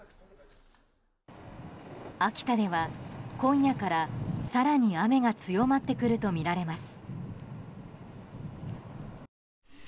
秋田では今夜から更に雨が強まってくるとみられます。